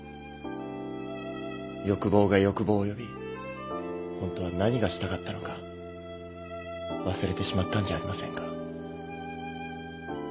欲望が欲望を呼びホントは何がしたかったのか忘れてしまったんじゃありませんか？